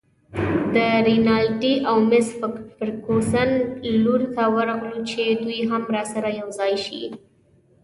د رینالډي او مس فرګوسن لور ته ورغلو چې دوی هم راسره یوځای شي.